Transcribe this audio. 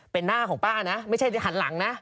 เป็นหน้าของป้านะไม่ใช่จะหันหลังนะ